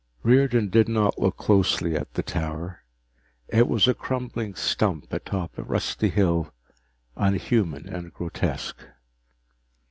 Riordan did not look closely at the tower. It was a crumbling stump atop a rusty hill, unhuman and grotesque.